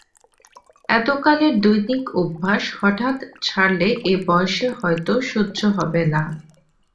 এতকালের দৈনিক অভ্যাস হঠাৎ ছাড়লে এ বয়সে হয়তো সহ্য হবে না।